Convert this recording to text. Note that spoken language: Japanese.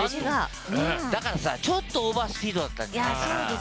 だからちょっとオーバースピードだったんじゃないかな。